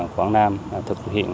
quảng nam thực hiện